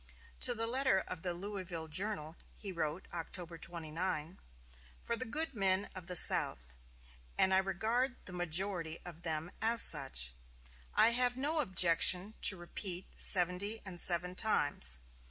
'" To the editor of the "Louisville Journal" he wrote October 29: "For the good men of the South and I regard the majority of them as such I have no objection to repeat seventy and seven times.